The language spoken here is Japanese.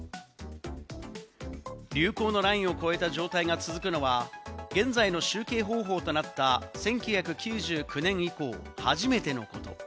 流行のラインを超えた状態が続くのは、現在の集計方法となった１９９９年以降、初めてのこと。